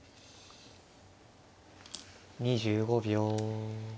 ２５秒。